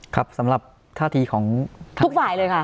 ครับสำหรับท่าทีของทุกฝ่ายเลยค่ะ